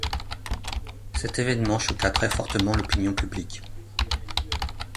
Cet événement choqua très fortement l'opinion publique.